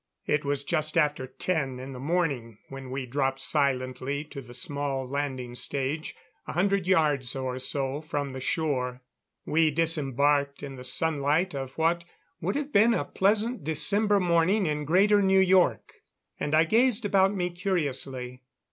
It was just after ten in the morning when we dropped silently to the small landing stage a hundred yards or so from the shore. We disembarked in the sunlight of what would have been a pleasant December morning in Greater New York; and I gazed about me curiously.